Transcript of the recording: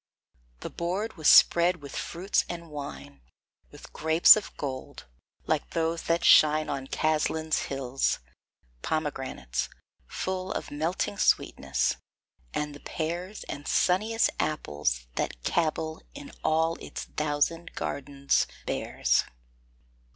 The board was spread with fruits and wine; With grapes of gold, like those that shine On Caslin's hills; pomegranates, full Of melting sweetness, and the pears And sunniest apples that Cabul In all its thousand gardens bears.